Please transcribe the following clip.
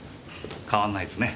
変わんないっすね